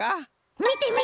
みてみて！